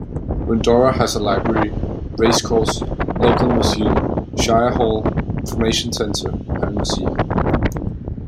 Windorah has a library, race course, local museum, shire hall, information centre and museum.